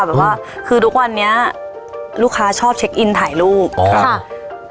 แบบว่าคือทุกวันนี้ลูกค้าชอบเช็คอินถ่ายรูปอ๋อค่ะ